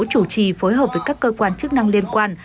chủ trì phối hợp với các cơ quan chức năng liên quan